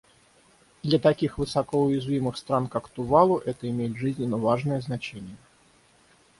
Для таких высоко уязвимых стран, как Тувалу, это имеет жизненно важное значение.